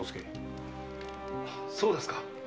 そうですか。